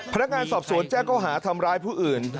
พนักงานสอบสวนแจ้งเขาหาทำร้ายผู้อื่น